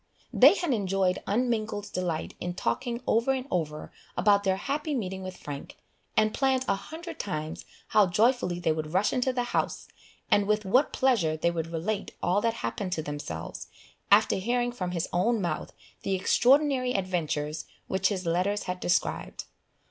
They had enjoyed unmingled delight in talking over and over about their happy meeting with Frank, and planned a hundred times how joyfully they would rush into the house, and with what pleasure they would relate all that happened to themselves, after hearing from his own mouth the extraordinary adventures which his letters had described.